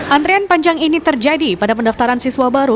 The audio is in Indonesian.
antrian panjang ini terjadi pada pendaftaran siswa baru